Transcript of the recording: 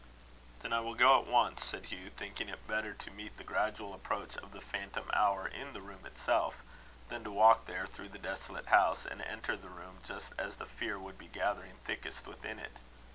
"Then I will go at once," said Hugh, thinking it better to meet the gradual approach of the phantom hour in the room itself, than to walk there through the desolate house, and enter the room just as the fear would be gathering thickest within it.